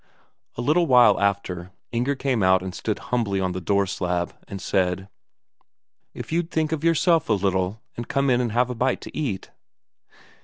A little while after, Inger came out and stood humbly on the door slab and said: "If you'd think of yourself a little and come in and have a bite to eat."